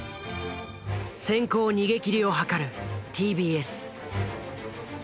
先行逃げ切りを図るＴＢＳ。